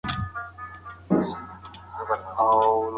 له غلطيو زده کړه وکړئ.